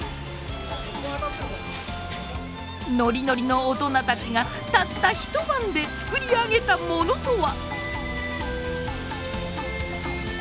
ノリノリの大人たちがたった一晩で作り上げたものとは？